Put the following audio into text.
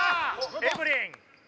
エブリン。